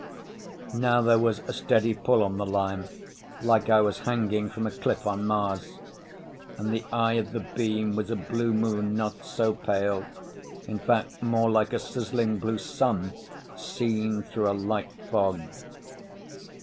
Now there was a steady pull on the line like I was hanging from a cliff on Mars. And the eye of the beam was a blue moon not so pale—in fact more like a sizzling blue sun seen through a light fog.